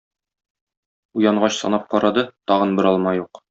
Уянгач санап карады, тагын бер алма юк.